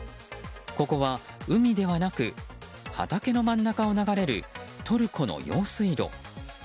ここは海ではなく畑の真ん中を流れるトルコの用水路。